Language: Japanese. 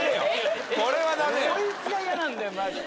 こいつが嫌なんだよマジで。